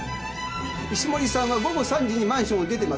石森さんは午後３時にマンションを出てます。